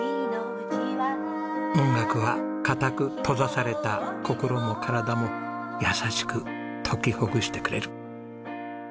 音楽は固く閉ざされた心も体も優しく解きほぐしてくれる。